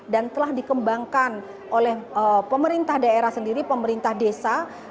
dan telah dikembangkan oleh pemerintah daerah sendiri pemerintah desa